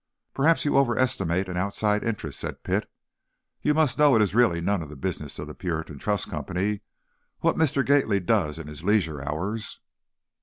"Perhaps you overestimate an outside interest," said Pitt. "You must know it is really none of the business of the Puritan Trust Company what Mr. Gately does in his leisure hours."